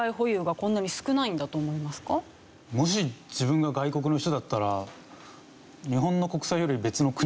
もし自分が外国の人だったら。